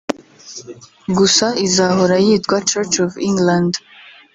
gusa izahora yitwa Church of England